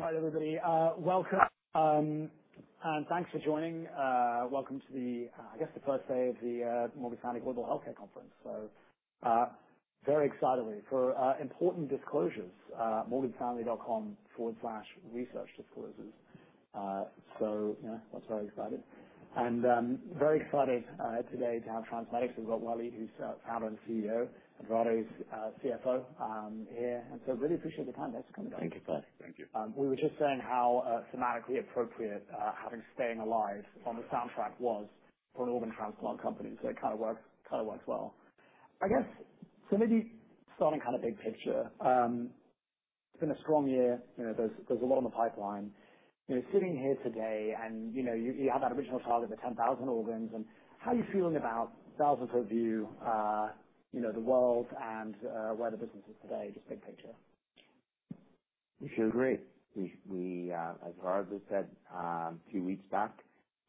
Hi, everybody. Welcome, and thanks for joining. Welcome to, I guess, the first day of the Morgan Stanley Global Healthcare Conference. So very excited. For important disclosures: morganstanley.com/researchdisclosures. So yeah, that's very exciting. Very excited today to have TransMedics. We've got Waleed, who's Founder and CEO, and Gerardo, CFO here. Really appreciate the time. Thanks for coming down. Thank you for inviting. Thank you. We were just saying how thematically appropriate having Staying Alive on the soundtrack was for an organ transplant company, so it kind of worked well. I guess so maybe starting kind of big picture, it's been a strong year. There's a lot on the pipeline. Sitting here today, and you had that original target of 10,000 organs, and how are you feeling about, in terms of view, the world and where the business is today? Just big picture. We feel great. As Gerardo said a few weeks back,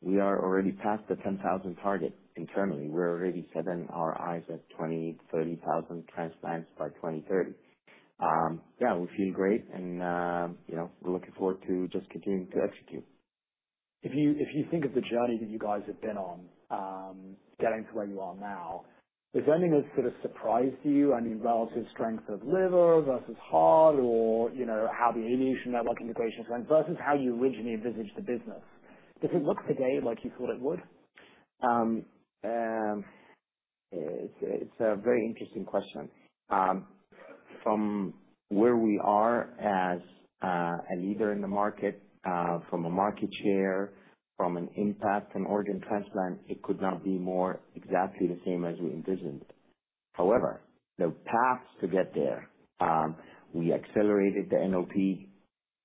we are already past the 10,000 target internally. We're already setting our eyes at 20,000, 30,000 transplants by 2030. Yeah, we feel great, and we're looking forward to just continuing to execute. If you think of the journey that you guys have been on, getting to where you are now, has any of this sort of surprised you? I mean, relative strength of liver versus heart, or how the aviation network integration is going, versus how you originally envisaged the business? Does it look today like you thought it would? It's a very interesting question. From where we are as a leader in the market, from a market share, from an impact on organ transplant, it could not be more exactly the same as we envisioned. However, the path to get there, we accelerated the NOP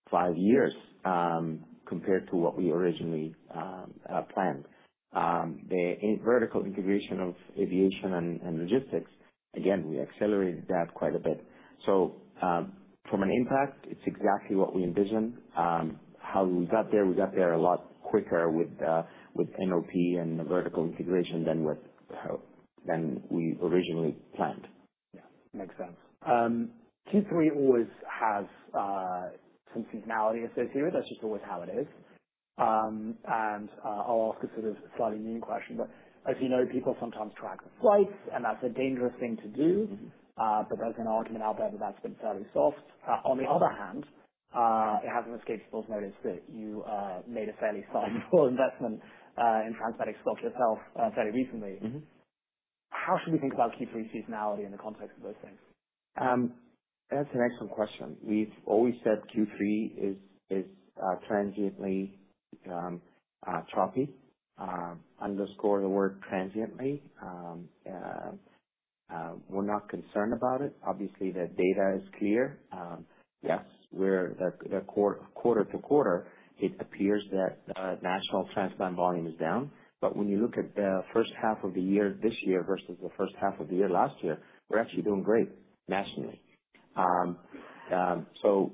five years compared to what we originally planned. The vertical integration of aviation and logistics, again, we accelerated that quite a bit. So from an impact, it's exactly what we envisioned. How we got there? We got there a lot quicker with NOP and the vertical integration than we originally planned. Yeah. Makes sense. Q3 always has some seasonality associated with it. That's just always how it is. And I'll ask a sort of slightly new question. But as you know, people sometimes track the flights, and that's a dangerous thing to do. But there's an argument out there that that's been fairly soft. On the other hand, it hasn't escaped people's notice that you made a fairly sizable investment in TransMedics' stock yourself fairly recently. How should we think about Q3 seasonality in the context of those things? That's an excellent question. We've always said Q3 is transiently choppy. Underscore the word transiently. We're not concerned about it. Obviously, the data is clear. Yes, we're quarter to quarter, it appears that national transplant volume is down. But when you look at the first half of the year this year versus the first half of the year last year, we're actually doing great nationally, so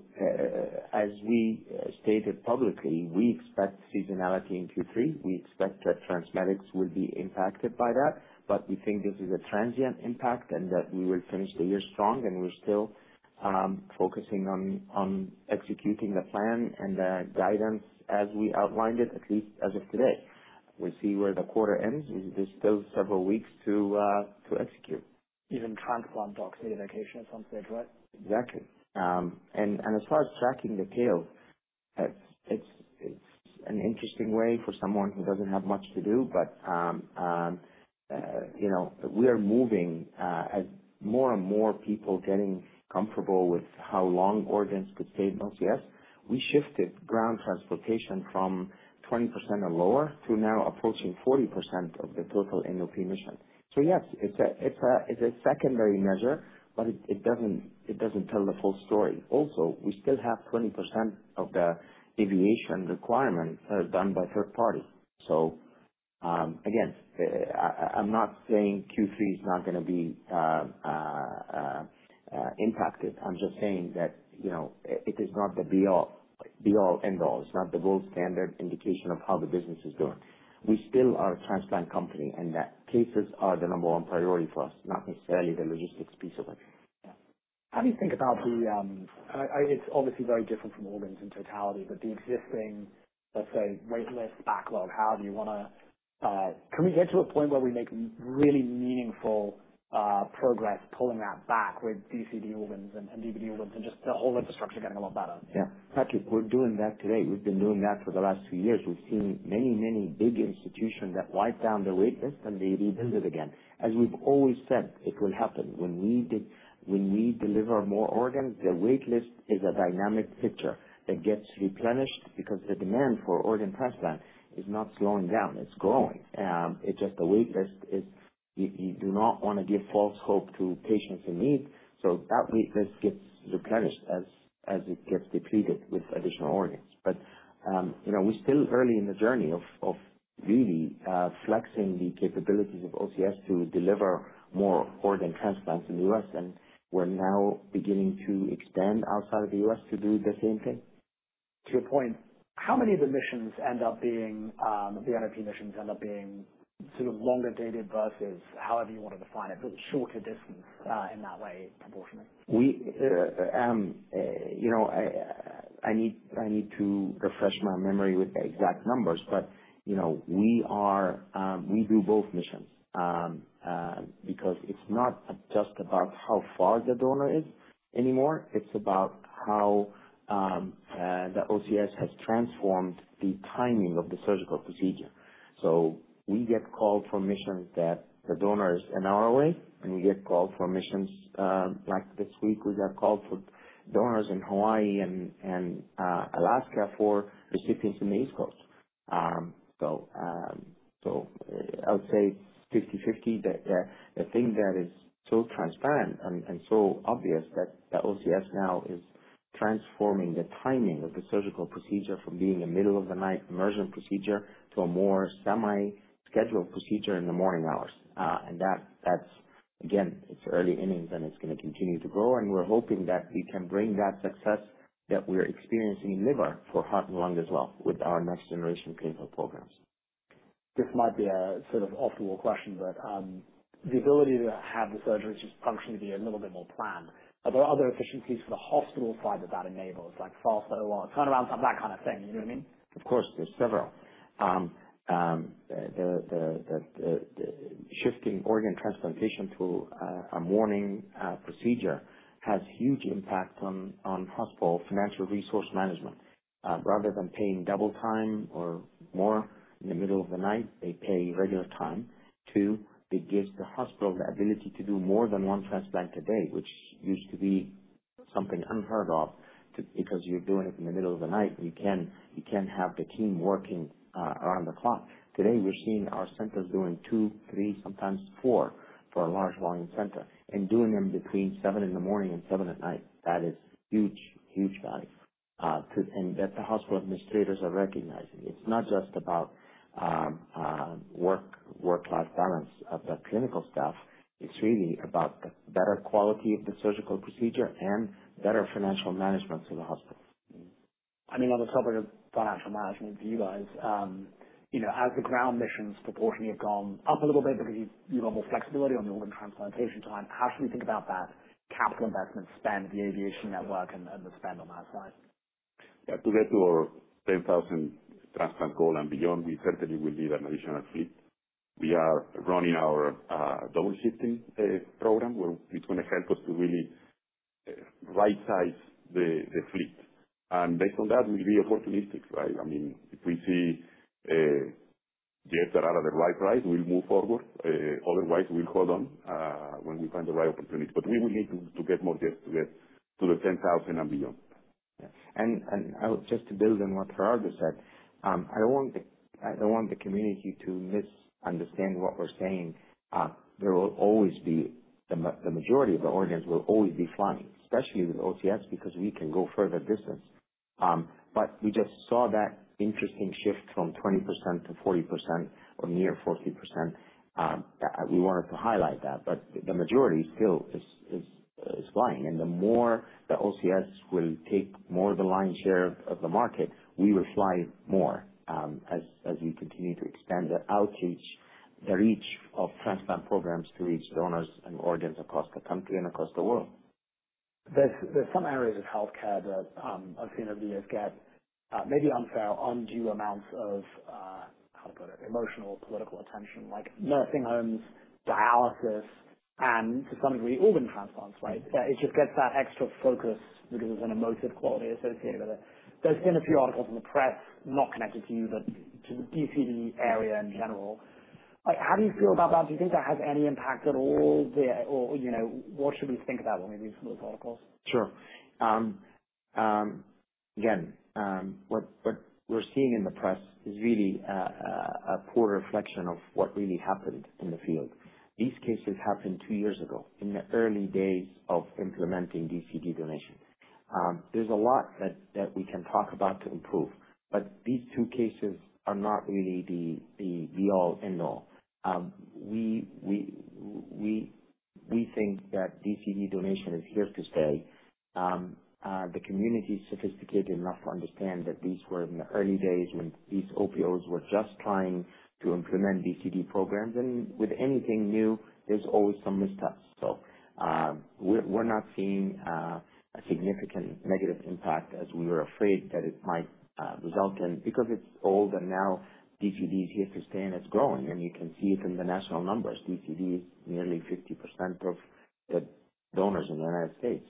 as we stated publicly, we expect seasonality in Q3. We expect that TransMedics will be impacted by that. But we think this is a transient impact and that we will finish the year strong, and we're still focusing on executing the plan and the guidance as we outlined it, at least as of today. We'll see where the quarter ends. There's still several weeks to execute. Even transplant docs need a vacation at some stage, right? Exactly. And as far as tracking the tails, it's an interesting way for someone who doesn't have much to do. But we are moving as more and more people are getting comfortable with how long organs could stay in OCS. We shifted ground transportation from 20% or lower to now approaching 40% of the total NOP mission. So yes, it's a secondary measure, but it doesn't tell the full story. Also, we still have 20% of the aviation requirements that are done by third parties. So again, I'm not saying Q3 is not going to be impacted. I'm just saying that it is not the be-all, end-all. It's not the gold standard indication of how the business is doing. We still are a transplant company, and cases are the number one priority for us, not necessarily the logistics piece of it. How do you think about the, it's obviously very different from organs in totality, but the existing, let's say, waitlist backlog? How do you want to, can we get to a point where we make really meaningful progress pulling that back with DCD organs and DBD organs and just the whole infrastructure getting a lot better? Yeah. Actually, we're doing that today. We've been doing that for the last two years. We've seen many, many big institutions that whittle down the waitlist and they rebuild it again. As we've always said, it will happen. When we deliver more organs, the waitlist is a dynamic picture that gets replenished because the demand for organ transplant is not slowing down. It's growing. It's just the waitlist is—you do not want to give false hope to patients in need. So that waitlist gets replenished as it gets depleted with additional organs. But we're still early in the journey of really flexing the capabilities of OCS to deliver more organ transplants in the U.S. And we're now beginning to expand outside of the U.S. to do the same thing. To your point, how many of the missions end up being, the NOP missions end up being sort of longer dated versus however you want to define it, but shorter distance in that way proportionally? I need to refresh my memory with the exact numbers, but we do both missions because it's not just about how far the donor is anymore. It's about how the OCS has transformed the timing of the surgical procedure, so we get called for missions that the donor is an hour away, and we get called for missions like this week, we got called for donors in Hawaii and Alaska for recipients in the East Coast, so I would say 50/50. The thing that is so transparent and so obvious that the OCS now is transforming the timing of the surgical procedure from being a middle-of-the-night emergent procedure to a more semi-scheduled procedure in the morning hours, and that's, again, it's early innings, and it's going to continue to grow. We're hoping that we can bring that success that we're experiencing in liver for heart and lung as well with our next-generation clinical programs. This might be a sort of off-the-wall question, but the ability to have the surgery just functionally be a little bit more planned. Are there other efficiencies for the hospital side that that enables, like faster OR turnarounds, that kind of thing? You know what I mean? Of course, there's several. The shifting organ transplantation to a morning procedure has a huge impact on hospital financial resource management. Rather than paying double time or more in the middle of the night, they pay regular time. Two, it gives the hospital the ability to do more than one transplant a day, which used to be something unheard of because you're doing it in the middle of the night. You can't have the team working around the clock. Today, we're seeing our centers doing two, three, sometimes four for a large volume center. And doing them between 7:00 A.M. and 7:00 P.M., that is huge, huge value. And that the hospital administrators are recognizing. It's not just about work-life balance of the clinical staff. It's really about the better quality of the surgical procedure and better financial management for the hospital. I mean, on the topic of financial management for you guys, as the ground missions proportionally have gone up a little bit because you've got more flexibility on the organ transplantation time, how should we think about that capital investment spend, the aviation network, and the spend on that side? Yeah. To get to our 10,000 transplant goal and beyond, we certainly will need an additional fleet. We are running our double-shifting program, which is going to help us to really right-size the fleet. And based on that, we'll be opportunistic, right? I mean, if we see jets that are at the right price, we'll move forward. Otherwise, we'll hold on when we find the right opportunity. But we will need to get more jets to get to the 10,000 and beyond. Yeah. And just to build on what Gerardo said, I don't want the community to misunderstand what we're saying. There will always be the majority of the organs will always be flying, especially with OCS because we can go further distance. But we just saw that interesting shift from 20% to 40% or near 40%. We wanted to highlight that. But the majority still is flying. And the more the LCS will take more of the lion's share of the market, we will fly more as we continue to expand the reach of transplant programs to reach donors and organs across the country and across the world. There's some areas of healthcare that I've seen over the years get maybe unfair, undue amounts of, how to put it?, emotional or political attention, like nursing homes, dialysis, and to some degree, organ transplants, right? It just gets that extra focus because there's an emotive quality associated with it. There's been a few articles in the press, not connected to you, but to the DCD area in general. How do you feel about that? Do you think that has any impact at all? Or what should we think about when we read some of those articles? Sure. Again, what we're seeing in the press is really a poor reflection of what really happened in the field. These cases happened two years ago in the early days of implementing DCD donation. There's a lot that we can talk about to improve, but these two cases are not really the be-all, end-all. We think that DCD donation is here to stay. The community is sophisticated enough to understand that these were in the early days when these OPOs were just trying to implement DCD programs, and with anything new, there's always some missteps, so we're not seeing a significant negative impact as we were afraid that it might result in because it's old, and now DCD is here to stay, and it's growing, and you can see it in the national numbers. DCD is nearly 50% of the donors in the United States.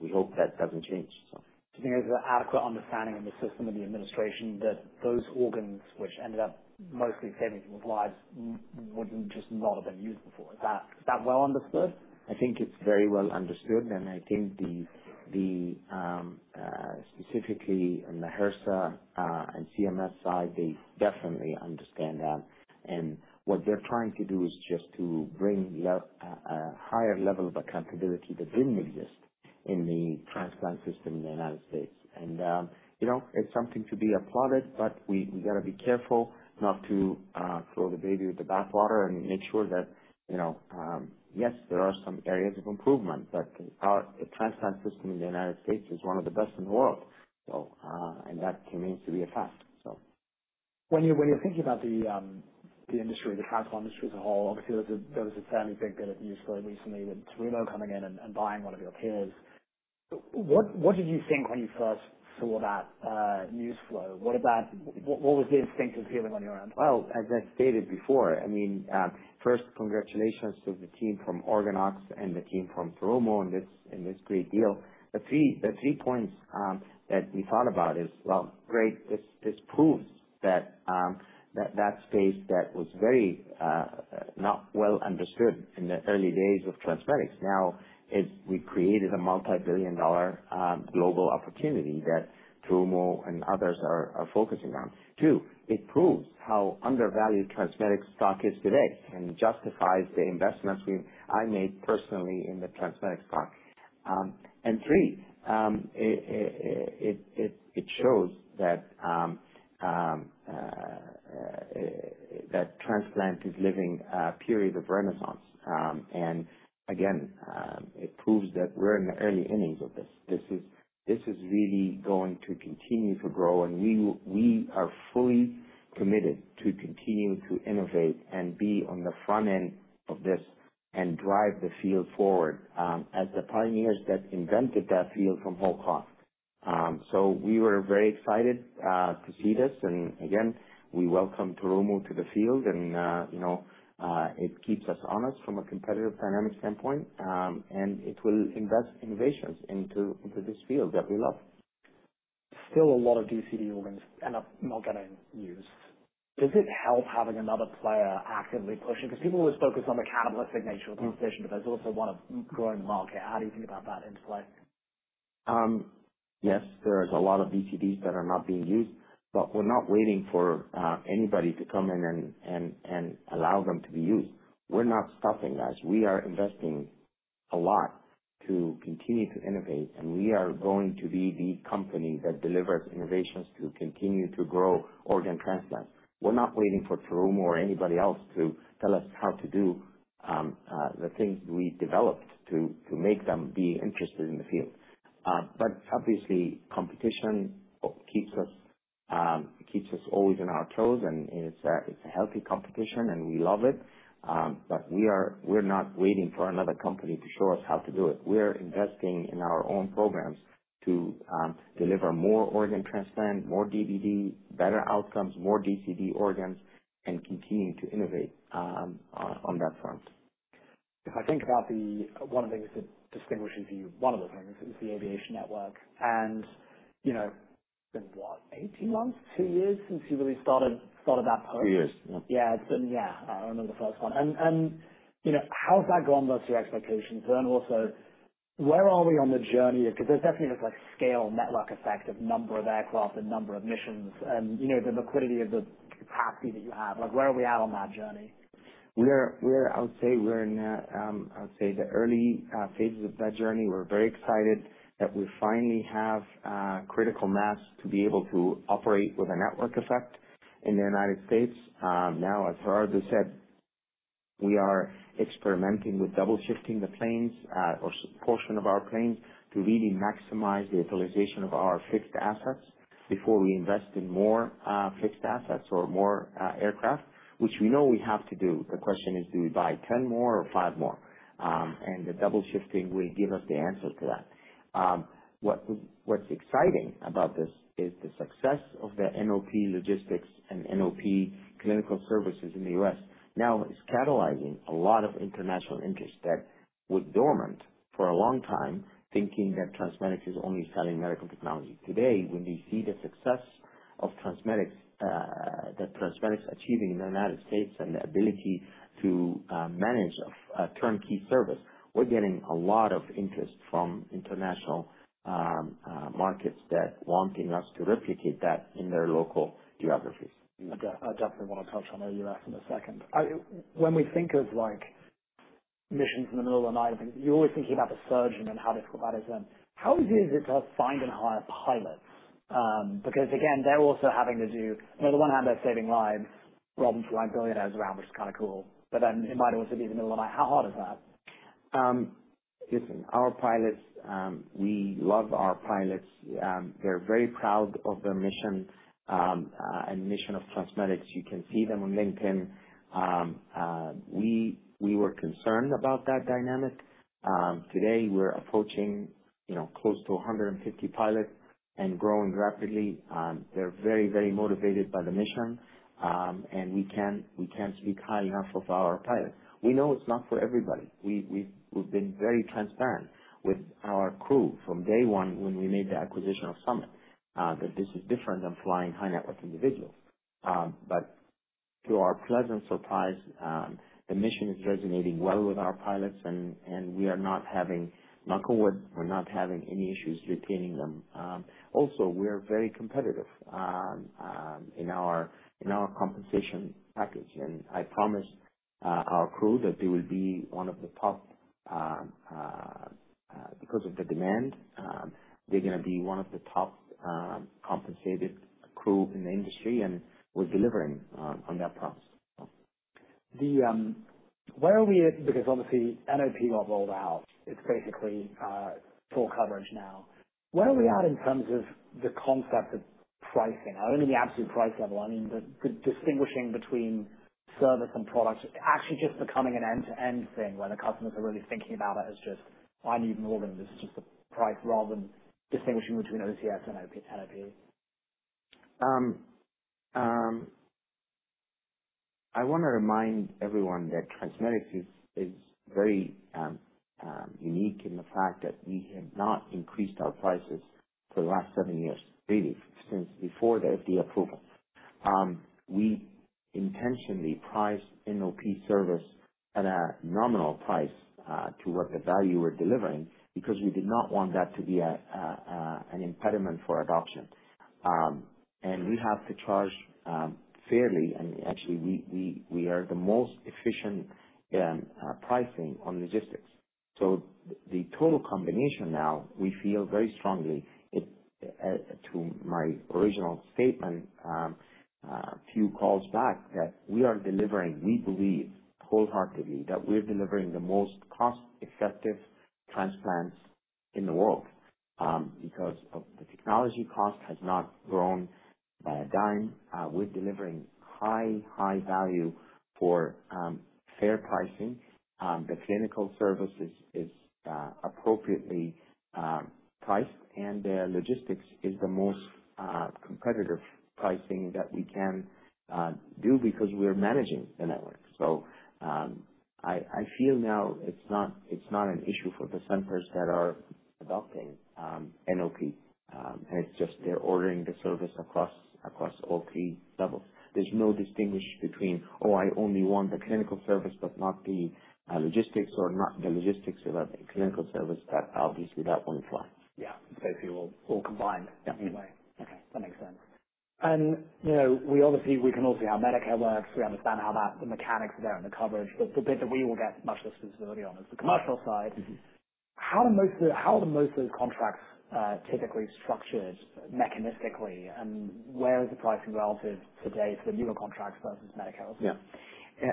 We hope that doesn't change, so. Do you think there's an adequate understanding in the system of the administration that those organs, which ended up mostly saving people's lives, wouldn't just not have been used before? Is that well understood? I think it's very well understood. And I think specifically on the HRSA and CMS side, they definitely understand that. And what they're trying to do is just to bring a higher level of accountability that didn't exist in the transplant system in the United States. And it's something to be applauded, but we got to be careful not to throw the baby with the bathwater and make sure that, yes, there are some areas of improvement, but the transplant system in the United States is one of the best in the world. And that remains to be a fact, so. When you're thinking about the industry, the transplant industry as a whole, obviously, there was a fairly big bit of news flow recently with Terumo coming in and buying one of your peers. What did you think when you first saw that news flow? What was the instinctive feeling on your end? As I've stated before, I mean, first, congratulations to the team from OrganOx and the team from Terumo in this great deal. The three points that we thought about is, well, great, this proves that that space that was very not well understood in the early days of TransMedics now has recreated a multi-billion dollar global opportunity that Terumo and others are focusing on. Two, it proves how undervalued TransMedics' stock is today and justifies the investments I made personally in the TransMedics stock. And three, it shows that transplant is living a period of renaissance. And again, it proves that we're in the early innings of this. This is really going to continue to grow. And we are fully committed to continue to innovate and be on the front end of this and drive the field forward as the pioneers that invented that field from whole cloth. So we were very excited to see this. And again, we welcome Terumo to the field. And it keeps us honest from a competitive dynamic standpoint. And it will invest innovations into this field that we love. Still, a lot of DCD organs end up not getting used. Does it help having another player actively pushing? Because people always focus on the cannibalistic nature of the organization, but there's also one of growing the market. How do you think about that in play? Yes. There are a lot of DCDs that are not being used. But we're not waiting for anybody to come in and allow them to be used. We're not stopping, guys. We are investing a lot to continue to innovate. And we are going to be the company that delivers innovations to continue to grow organ transplants. We're not waiting for Terumo or anybody else to tell us how to do the things we developed to make them be interested in the field. But obviously, competition keeps us always on our toes. And it's a healthy competition, and we love it. But we're not waiting for another company to show us how to do it. We're investing in our own programs to deliver more organ transplant, more DBD, better outcomes, more DCD organs, and continue to innovate on that front. If I think about one of the things that distinguishes you, one of the things is the aviation network, and it's been, what, 18 months? Two years since you really started that push? Two years, yeah. Yeah. It's been, yeah, only the first one. And how's that gone versus your expectations? And also, where are we on the journey? Because there's definitely this scale network effect of number of aircraft and number of missions and the liquidity of the capacity that you have. Where are we at on that journey? I would say we're in, I would say, the early phases of that journey. We're very excited that we finally have critical mass to be able to operate with a network effect in the United States. Now, as Gerardo said, we are experimenting with double-shifting the planes or a portion of our planes to really maximize the utilization of our fixed assets before we invest in more fixed assets or more aircraft, which we know we have to do. The question is, do we buy 10 more or five more? And the double-shifting will give us the answer to that. What's exciting about this is the success of the NOP logistics and NOP clinical services in the US now is catalyzing a lot of international interest that was dormant for a long time, thinking that TransMedics is only selling medical technology. Today, when we see the success of TransMedics, that TransMedics achieving in the United States and the ability to manage a turnkey service, we're getting a lot of interest from international markets that are wanting us to replicate that in their local geographies. I definitely want to touch on AUS in a second. When we think of missions in the middle of the night, I think you're always thinking about the surge and how difficult that is and how easy is it to find and hire pilots? Because, again, they're also having to do, on the one hand, they're saving lives rather than flying billionaires around, which is kind of cool but then it might also be in the middle of the night. How hard is that? Listen, our pilots, we love our pilots. They're very proud of their mission and mission of TransMedics. You can see them on LinkedIn. We were concerned about that dynamic. Today, we're approaching close to 150 pilots and growing rapidly. They're very, very motivated by the mission, and we can't speak highly enough of our pilots. We know it's not for everybody. We've been very transparent with our crew from day one when we made the acquisition of Summit that this is different than flying high-net-worth individuals. But to our pleasant surprise, the mission is resonating well with our pilots, and we are not having turnover. We're not having any issues retaining them. Also, we're very competitive in our compensation package, and I promised our crew that they will be one of the top because of the demand. They're going to be one of the top compensated crew in the industry. We're delivering on that promise, so. Where are we at? Because obviously, NOP got rolled out. It's basically full coverage now. Where are we at in terms of the concept of pricing? I don't mean the absolute price level. I mean the distinguishing between service and product, actually just becoming an end-to-end thing where the customers are really thinking about it as just, "I need an organ." This is just the price rather than distinguishing between OCS and NOP. I want to remind everyone that TransMedics is very unique in the fact that we have not increased our prices for the last seven years, really, since before the FDA approval. We intentionally priced NOP service at a nominal price to what the value we're delivering because we did not want that to be an impediment for adoption, and we have to charge fairly, and actually, we are the most efficient pricing on logistics, so the total combination now, we feel very strongly, to my original statement a few calls back, that we are delivering, we believe wholeheartedly that we're delivering the most cost-effective transplants in the world because the technology cost has not grown by a dime, we're delivering high, high value for fair pricing, the clinical service is appropriately priced, and the logistics is the most competitive pricing that we can do because we're managing the network. So I feel now it's not an issue for the centers that are adopting NOP. And it's just they're ordering the service across all three levels. There's no distinction between, "Oh, I only want the clinical service but not the logistics," or, "Not the logistics but the clinical service." Obviously, that won't fly. Yeah. Basically, we'll combine anyway. Okay. That makes sense. And we can all see how Medicare works. We understand how the mechanics there and the coverage. But the bit that we will get much less visibility on is the commercial side. How are most of those contracts typically structured mechanistically? And where is the pricing relative today to the newer contracts versus Medicare? Yeah.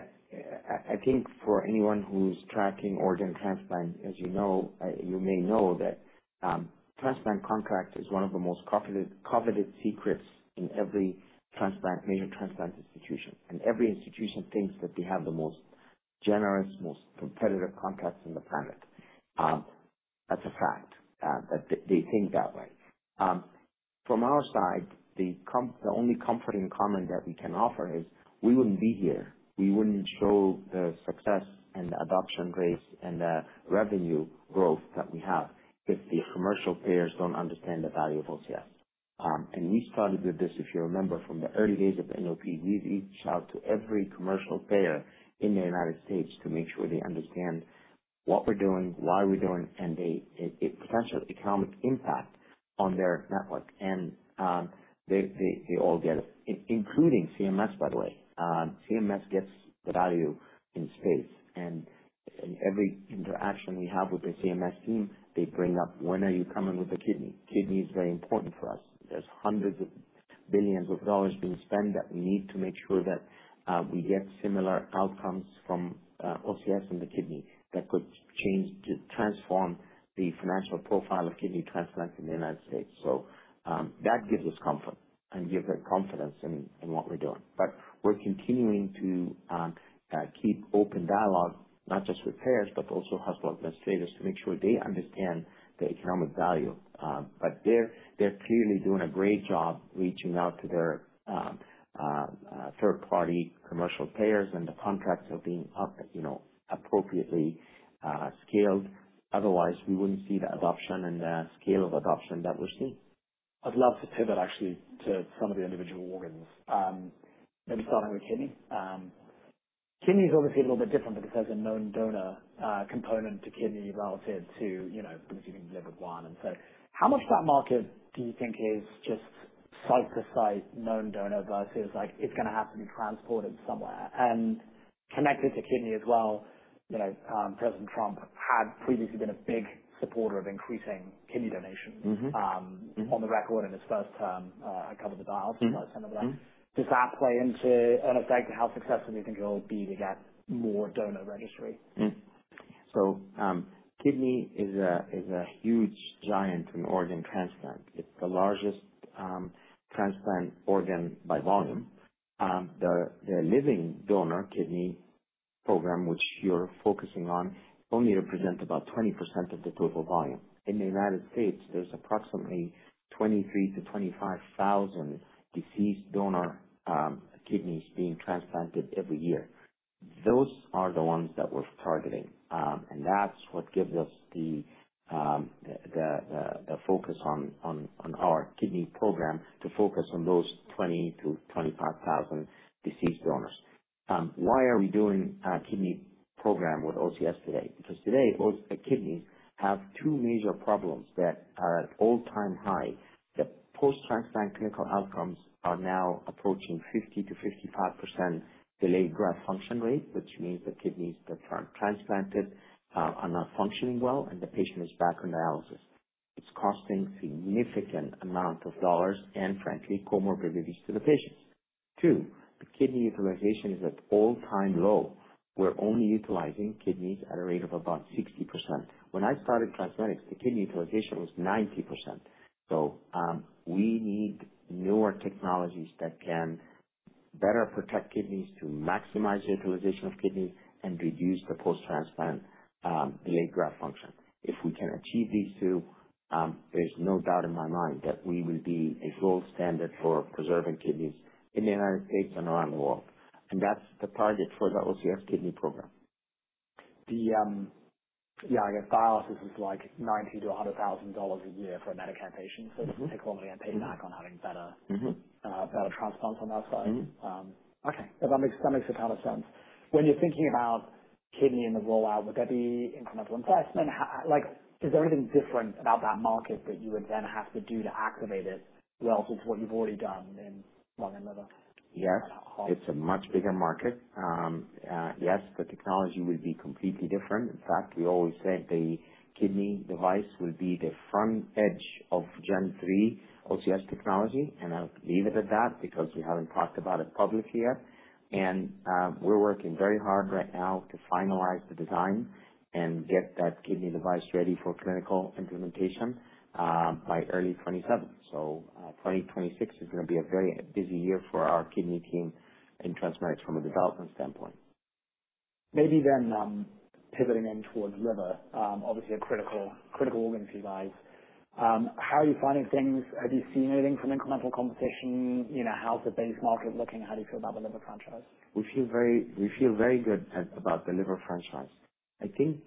I think for anyone who's tracking organ transplant, as you know, you may know that transplant contract is one of the most coveted secrets in every major transplant institution. And every institution thinks that they have the most generous, most competitive contracts on the planet. That's a fact that they think that way. From our side, the only comforting comment that we can offer is we wouldn't be here. We wouldn't show the success and the adoption rates and the revenue growth that we have if the commercial players don't understand the value of OCS. And we started with this, if you remember, from the early days of NOP. We reached out to every commercial player in the United States to make sure they understand what we're doing, why we're doing, and the potential economic impact on their network. And they all get it, including CMS, by the way. CMS gets the value in space, and every interaction we have with the CMS team, they bring up, "When are you coming with the kidney?" Kidney is very important for us. There's hundreds of billions of dollars being spent that we need to make sure that we get similar outcomes from OCS and the kidney that could transform the financial profile of kidney transplants in the United States. So that gives us comfort and gives us confidence in what we're doing, but we're continuing to keep open dialogue, not just with payers, but also hospital administrators to make sure they understand the economic value. But they're clearly doing a great job reaching out to their third-party commercial payers, and the contracts are being appropriately scaled. Otherwise, we wouldn't see the adoption and the scale of adoption that we're seeing. I'd love to pivot, actually, to some of the individual organs, maybe starting with kidney. Kidney is obviously a little bit different because there's a known donor component to kidney relative to because you can deliver one. And so how much of that market do you think is just site-to-site known donor versus it's going to have to be transported somewhere? And connected to kidney as well, President Trump had previously been a big supporter of increasing kidney donations on the record in his first term. I covered the details, but I just want to say something about that. Does that play into and, in fact, how successful do you think it'll be to get more donor registry? Kidney is a huge giant in organ transplant. It's the largest transplant organ by volume. The Living Donor Kidney Program, which you're focusing on, only represents about 20% of the total volume. In the United States, there's approximately 23,000-25,000 deceased donor kidneys being transplanted every year. Those are the ones that we're targeting. And that's what gives us the focus on our kidney program to focus on those 20,000-25,000 deceased donors. Why are we doing a kidney program with OCS today? Because today, kidneys have two major problems that are at all-time high. The post-transplant clinical outcomes are now approaching 50-55% Delayed Graft Function rate, which means the kidneys that are transplanted are not functioning well, and the patient is back on dialysis. It's costing a significant amount of dollars and, frankly, comorbidities to the patients. Two, the kidney utilization is at all-time low. We're only utilizing kidneys at a rate of about 60%. When I started TransMedics, the kidney utilization was 90%. So we need newer technologies that can better protect kidneys to maximize utilization of kidneys and reduce the post-transplant delayed graft function. If we can achieve these two, there's no doubt in my mind that we will be a gold standard for preserving kidneys in the United States and around the world. And that's the target for the OCS Kidney Program. Yeah. I guess dialysis is like $90,000-$100,000 a year for a Medicare patient. So it doesn't take long again to pay back on having better transplants on that side. Okay. That makes a ton of sense. When you're thinking about kidney and the rollout, would that be incremental investment? Is there anything different about that market that you would then have to do to activate it relative to what you've already done in Lung and Liver? Yes. It's a much bigger market. Yes, the technology will be completely different. In fact, we always say the kidney device will be the front edge of Gen3 OCS technology. And I'll leave it at that because we haven't talked about it publicly yet. And we're working very hard right now to finalize the design and get that kidney device ready for clinical implementation by early 2027. So 2026 is going to be a very busy year for our kidney team in TransMedics from a development standpoint. Maybe then pivoting in towards liver, obviously a critical organ for you guys. How are you finding things? Have you seen anything from incremental competition? How's the base market looking? How do you feel about the liver franchise? We feel very good about the liver franchise. I think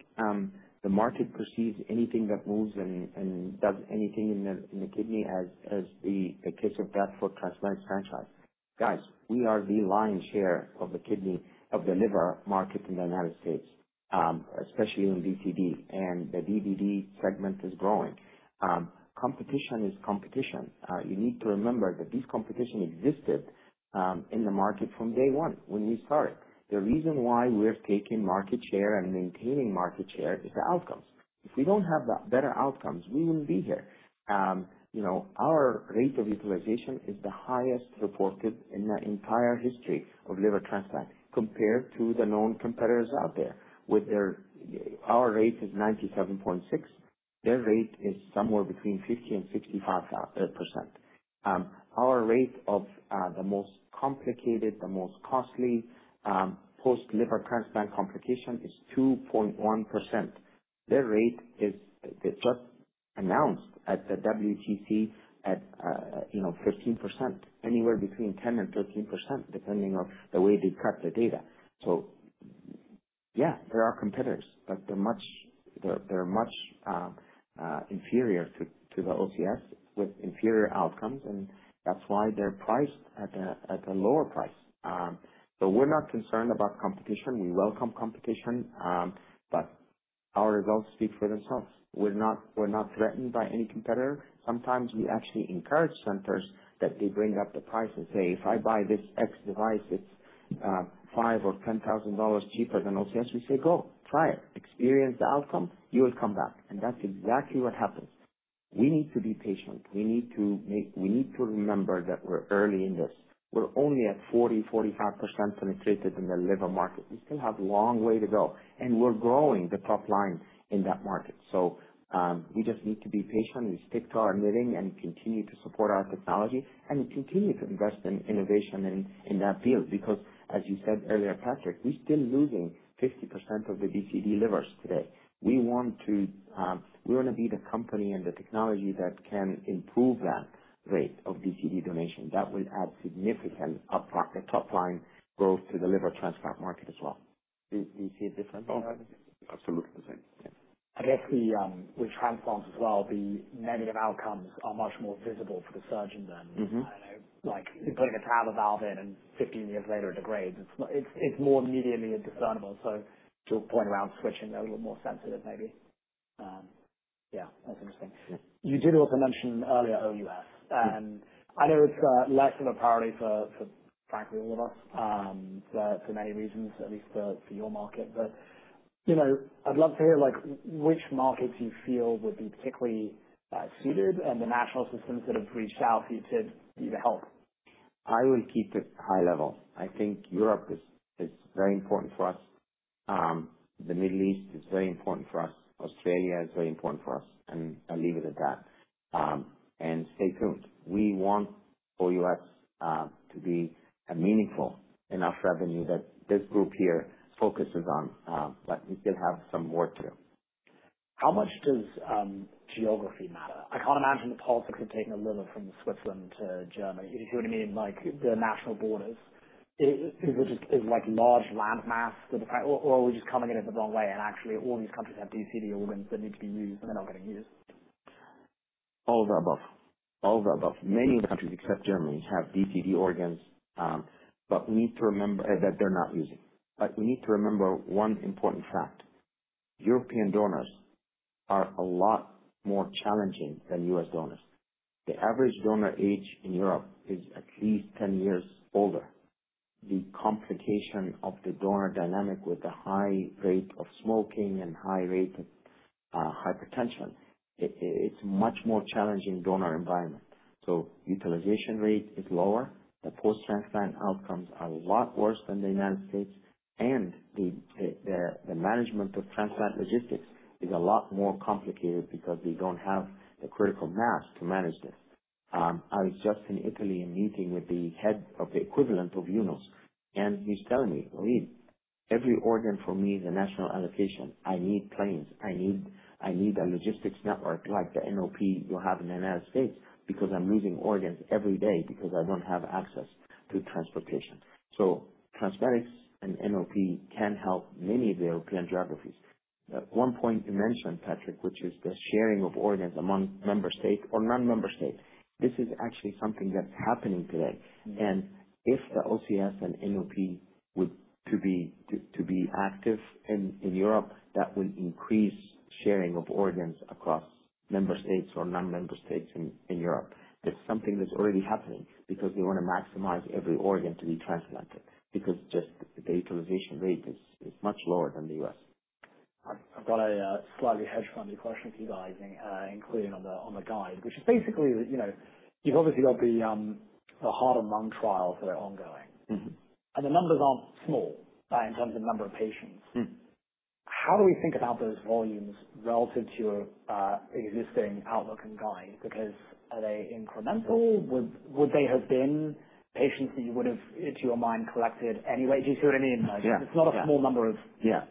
the market perceives anything that moves and does anything in the kidney as the case of that for TransMedics franchise. Guys, we are the lion's share of the liver market in the United States, especially in DBD. And the DCD segment is growing. Competition is competition. You need to remember that this competition existed in the market from day one when we started. The reason why we're taking market share and maintaining market share is the outcomes. If we don't have better outcomes, we wouldn't be here. Our rate of utilization is the highest reported in the entire history of liver transplant compared to the known competitors out there. Our rate is 97.6%. Their rate is somewhere between 50%-65%. Our rate of the most complicated, the most costly post-liver transplant complication is 2.1%. Their rate is just announced at the WTC at 15%, anywhere between 10% and 13%, depending on the way they cut the data. So yeah, there are competitors, but they're much inferior to the OCS with inferior outcomes. And that's why they're priced at a lower price. So we're not concerned about competition. We welcome competition. But our results speak for themselves. We're not threatened by any competitor. Sometimes we actually encourage centers that they bring up the price and say, "If I buy this X device, it's $5,000 or $10,000 cheaper than OCS." We say, "Go. Try it. Experience the outcome. You will come back." And that's exactly what happens. We need to be patient. We need to remember that we're early in this. We're only at 40%-45% penetrated in the liver market. We still have a long way to go. We're growing the top line in that market. We just need to be patient. We stick to our knitting and continue to support our technology and continue to invest in innovation in that field. Because as you said earlier, Patrick, we're still losing 50% of the DCD livers today. We want to be the company and the technology that can improve that rate of DCD donation. That will add significant top-line growth to the liver transplant market as well. Do you see a difference? Absolutely the same. I guess with transplants as well, the manner of outcomes are much more visible for the surgeon than. I don't know. Like putting a TAVR valve in and 15 years later it degrades. It's more immediately discernible. So to a point around switching, they're a little more sensitive maybe. Yeah. That's interesting. You did also mention earlier OUS. And I know it's less of a priority for, frankly, all of us for many reasons, at least for your market. But I'd love to hear which markets you feel would be particularly suited and the national systems that have reached out for you to help. I will keep it high level. I think Europe is very important for us. The Middle East is very important for us. Australia is very important for us. And I'll leave it at that. And stay tuned. We want OUS to be meaningful. Enough revenue that this group here focuses on. But we still have some work to do. How much does geography matter? I can't imagine the politics of taking a liver from Switzerland to Germany. You see what I mean? Like the national borders. Is it just like large landmass? Or are we just coming at it the wrong way and actually all these countries have DCD organs that need to be used and they're not getting used? All of the above. All of the above. Many of the countries except Germany have DCD organs. But we need to remember that they're not using. But we need to remember one important fact. European donors are a lot more challenging than U.S. donors. The average donor age in Europe is at least 10 years older. The complication of the donor dynamic with the high rate of smoking and high rate of hypertension, it's a much more challenging donor environment. So utilization rate is lower. The post-transplant outcomes are a lot worse than the United States. And the management of transplant logistics is a lot more complicated because they don't have the critical mass to manage this. I was just in Italy meeting with the head of the equivalent of UNOS. And he's telling me, "Lee, every organ for me is a national allocation. I need planes. I need a logistics network like the NOP you have in the United States because I'm losing organs every day because I don't have access to transportation." TransMedics and NOP can help many of the European geographies. At one point, you mentioned, Patrick, which is the sharing of organs among member state or non-member state. This is actually something that's happening today. If the OCS and NOP were to be active in Europe, that would increase sharing of organs across member states or non-member states in Europe. It's something that's already happening because they want to maximize every organ to be transplanted because just the utilization rate is much lower than the U.S. I've got a slightly hedge fund question for you guys, including on the guide, which is basically you've obviously got the heart and lung trials that are ongoing, and the numbers aren't small in terms of number of patients. How do we think about those volumes relative to your existing outlook and guide? Because are they incremental? Would they have been patients that you would have, to your mind, collected anyway? Do you see what I mean? It's not a small number of. Yeah.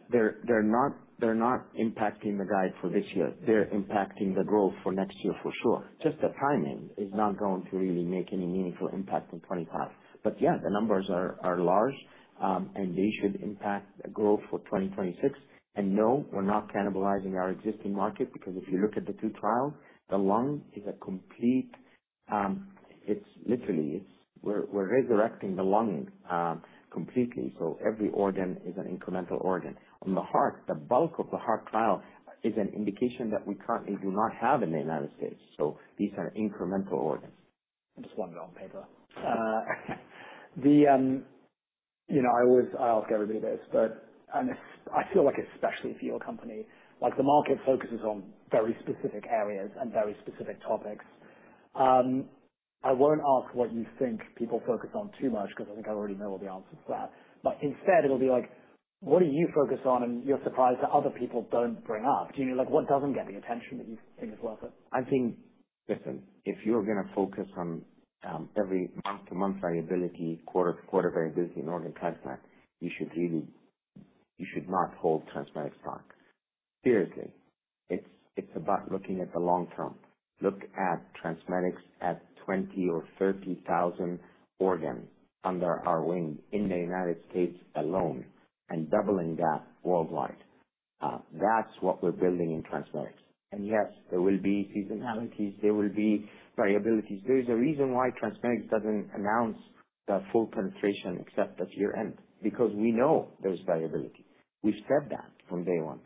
They're not impacting the guide for this year. They're impacting the growth for next year for sure. Just the timing is not going to really make any meaningful impact in 2025. But yeah, the numbers are large. And they should impact the growth for 2026. And no, we're not cannibalizing our existing market because if you look at the two trials, the lung is a complete it's literally we're resurrecting the lung completely. So every organ is an incremental organ. On the heart, the bulk of the heart trial is an indication that we currently do not have in the United States. So these are incremental organs. I just wanted it on paper. I always ask everybody this, but I feel like especially for your company, the market focuses on very specific areas and very specific topics. I won't ask what you think people focus on too much because I think I already know all the answers to that. But instead, it'll be like, what do you focus on and you're surprised that other people don't bring up? What doesn't get the attention that you think is worth it? I think, listen, if you're going to focus on every month-to-month viability, quarter-to-quarter viability in organ transplant, you should not hold TransMedics stock. Seriously, it's about looking at the long term. Look at TransMedics at 20 or 30 thousand organs under our wing in the United States alone and doubling that worldwide. That's what we're building in TransMedics, and yes, there will be seasonalities. There will be variabilities. There is a reason why TransMedics doesn't announce the full penetration except at year-end because we know there's variability. We've said that from day one.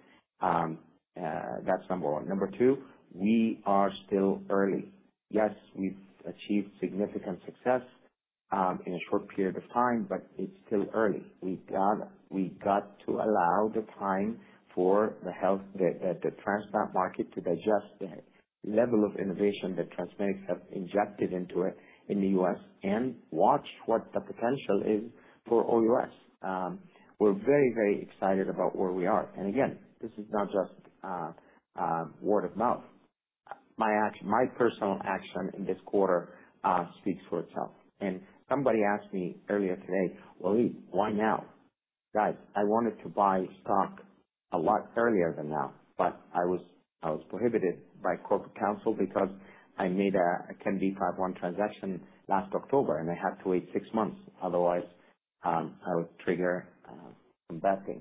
That's number one. Number two, we are still early. Yes, we've achieved significant success in a short period of time, but it's still early. We've got to allow the time for the health, the transplant market to digest the level of innovation that TransMedics have injected into it in the U.S. and watch what the potential is for OUS. We're very, very excited about where we are, and again, this is not just word of mouth. My personal action in this quarter speaks for itself, and somebody asked me earlier today, "Well, Lee, why now?" Guys, I wanted to buy stock a lot earlier than now, but I was prohibited by corporate counsel because I made a 10b5-1 transaction last October, and I had to wait six months. Otherwise, I would trigger some bad things.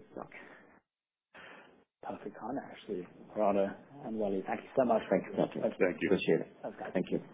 Perfect. I'm actually proud of and worthy. Thank you so much. Thank you. Thank you. Appreciate it. Okay. Thank you.